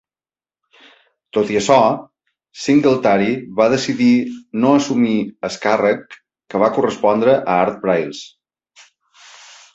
Tot i això, Singletary va decidir no assumir el càrrec, que va correspondre a Art Briles.